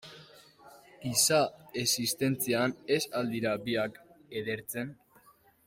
Giza existentzian, ez al dira biak edertzen?